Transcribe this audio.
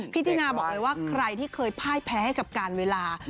พี่ตินาบอกเลยว่าใครที่เคยพ่ายแพ้ให้กับการเวลา